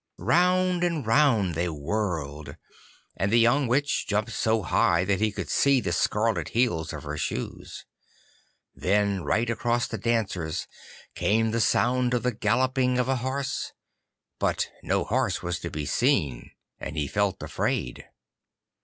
Round and round they whirled, and the young Witch jumped so high that he could see the scarlet heels of her shoes. Then right across the dancers came the sound of the galloping of a horse, but no horse was to be seen, and he felt afraid.